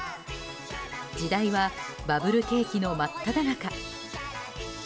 時代はバブル景気の真っただ中。